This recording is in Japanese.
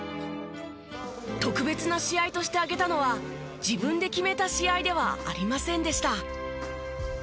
特別な試合として挙げたのは自分で決めた試合ではありませんでした。